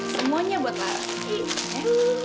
semuanya buat lara